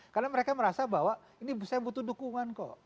karena mereka merasa bahwa ini saya butuh dukungan kok